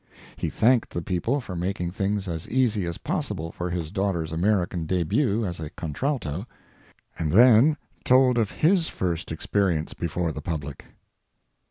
He thanked the people for making things as easy as possible for his daughter's American debut as a contralto, and then told of his first experience before the public.